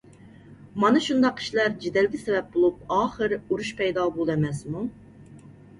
مانا شۇنداق ئىشلار جېدەلگە سەۋەب بولۇپ، ئاخىر ئۇرۇش پەيدا بولىدۇ ئەمەسمۇ؟